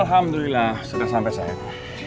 alhamdulillah sudah sampai sayang